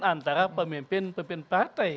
antara pemimpin pemimpin partai